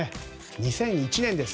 ２００１年です